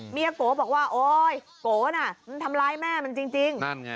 เมียโกบอกว่าโอ้ยโกน่ะมันทำร้ายแม่มันจริง